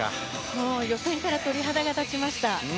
もう、予選から鳥肌が立ちました。